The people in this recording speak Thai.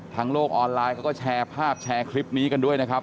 โลกออนไลน์เขาก็แชร์ภาพแชร์คลิปนี้กันด้วยนะครับ